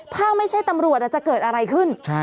ถ้าไม่ใช่ตำรวจจะเกิดอะไรขึ้น